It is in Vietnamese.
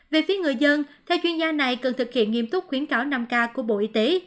về phía người dân theo chuyên gia này cần thực hiện nghiêm túc khuyến cáo năm k của bộ y tế